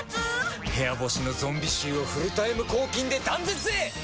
部屋干しのゾンビ臭をフルタイム抗菌で断絶へ！